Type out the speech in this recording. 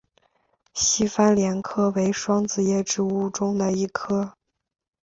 西番莲科为双子叶植物中的一科。